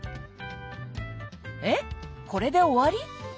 えっこれで終わり？